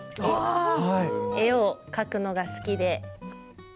絵を描くのが好きで。